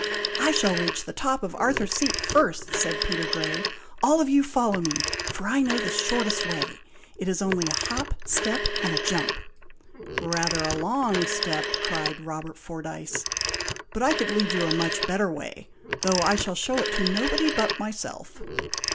"I shall reach the top of Arthur's Seat first," said Peter Grey. "All of you follow me, for I know the shortest way. It is only a hop, step, and a jump!" "Rather a long step!" cried Robert Fordyce. "But I could lead you a much better way, though I shall show it to nobody but myself."